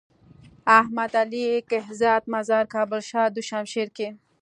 احمد علي کهزاد مزار کابل شاه دو شمشيره کي۔